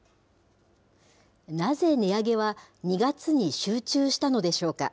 なぜ、値上げは２月に集中したのでしょうか。